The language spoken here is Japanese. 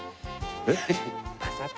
えっ？